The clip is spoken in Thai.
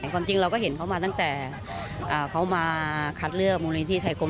ความจริงเราก็เห็นเขามาตั้งแต่เขามาคัดเลือกมูลนิธิไทยกรม